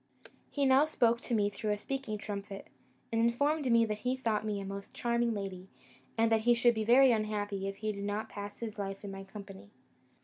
He now spoke to me through a speaking trumpet, and informed me he thought me a most charming lady, and that he should be very unhappy if he did not pass his life in my company.